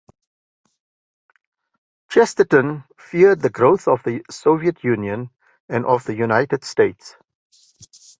Chesterton feared the growth of the Soviet Union and of the United States.